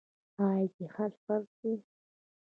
آیا جهاد فرض دی؟